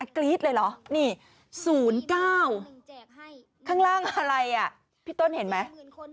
กรี๊ดเลยเหรอนี่๐๙ข้างล่างอะไรอ่ะพี่ต้นเห็นไหม